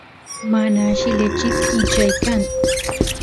mana alli lechit ichay kan